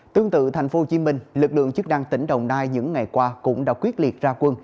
tương tự thành phố hồ chí minh lực lượng chức năng tỉnh đồng nai những ngày qua cũng đã quyết liệt ra quân